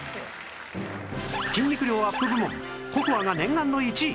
筋肉量アップ部門ココアが念願の１位